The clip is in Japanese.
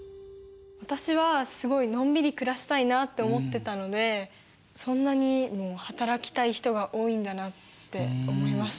私はすごいのんびり暮らしたいなと思ってたのでそんなにも働きたい人が多いんだなって思いました。